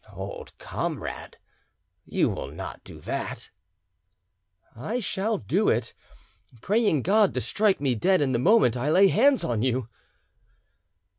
"Old comrade, you will not do that?" "I shall do it, praying God to strike me dead in the moment I lay hands on you!"